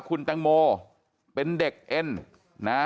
คุณแตงโมเป็นเด็กเอ็นนะ